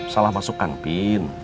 salah masukkan pin